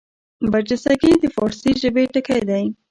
برجستګي د فاړسي ژبي ټکی دﺉ.